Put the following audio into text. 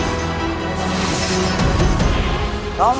jika hendak berkhianat kepada kujang